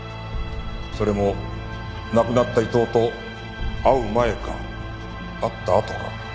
それも亡くなった伊藤と会う前か会ったあとか。